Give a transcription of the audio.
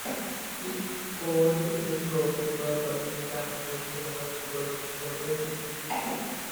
He coined the slogan "Bye-bye Bangalore, hello Hyderabad" to further this aim.